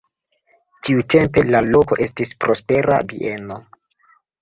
Tiutempe la loko estis prospera bieno.